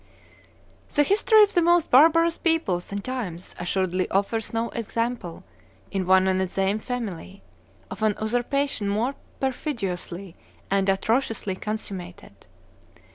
160] The history of the most barbarous peoples and times assuredly offers no example, in one and the same family, of an usurpation more perfidiously and atrociously consummated.